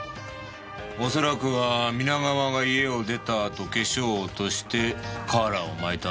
おそらくは皆川が家を出たあと化粧を落としてカーラーを巻いたんだろうよ。